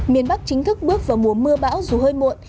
miền bắc chính thức bước vào mùa mưa bão dù hơi muộn